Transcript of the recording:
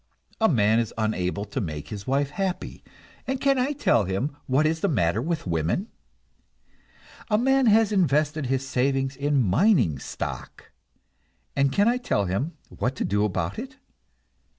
A man is unable to make his wife happy, and can I tell him what is the matter with women? A man has invested his savings in mining stock, and can I tell him what to do about it?